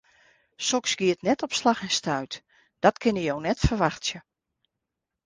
Soks giet net op slach en stuit, dat kinne jo net ferwachtsje.